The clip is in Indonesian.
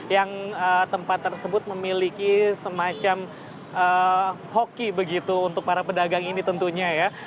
yang tempat tersebut memiliki semacam hoki begitu untuk para pedagang ini tentunya ya